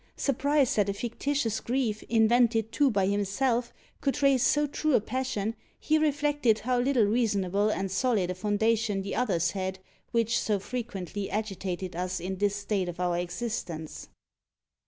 Surprised that a fictitious grief, invented too by himself, could raise so true a passion, he reflected how little reasonable and solid a foundation the others had, which, so frequently agitated us in this state of our existence.